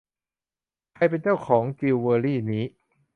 ใครเป็นเจ้าของจิวเวอรี่นี้ ?